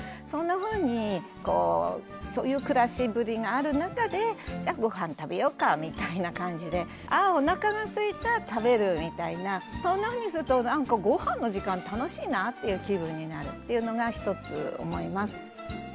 そんなふうにこうそういう暮らしぶりがある中でじゃあごはん食べようかみたいな感じで「あおなかがすいた食べる」みたいなそんなふうにすると「なんかごはんの時間楽しいな」っていう気分になるっていうのが一つ思います。